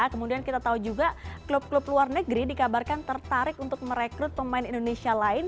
kemudian kita tahu juga klub klub luar negeri dikabarkan tertarik untuk merekrut pemain indonesia lain